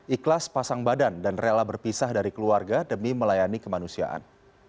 ikhlas pasang badan dan rela berpisah dari keluarga demi melayani kemanusiaan